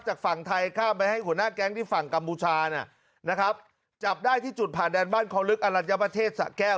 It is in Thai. จากฝั่งไทยข้ามไปให้หัวหน้าแก๊งที่ฝั่งกัมพูชานะครับจับได้ที่จุดผ่านแดนบ้านคอลึกอรัญญประเทศสะแก้ว